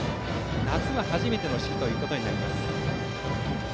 夏は初めての指揮となります。